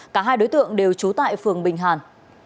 cả hai đối tượng đều trú tại phường bình hàn